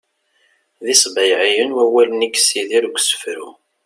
d isbayɛiyen wawalen i yessidir deg usefru